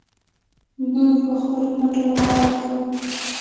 موږ په خپلو مټو باور لرو.